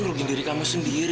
ngerugin diri kamu sendiri